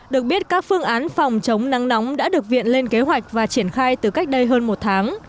được biết các phương án phòng chống nắng nóng đã được viện lên kế hoạch và triển khai từ cách đây hơn một tháng